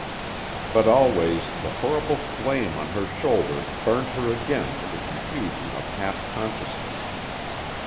But always the horrible flame on her shoulder burnt her again to the confusion of half consciousness.